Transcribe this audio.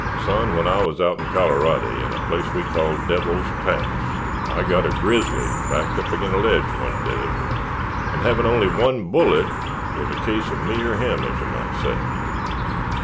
"Son, when I wuz out in Colorady, in a place we called Devil's Pass, I gut a grizzly backed up agin' a ledge one day 'n' heving ony one bullet 'twas a case uv me or him, as yer might say.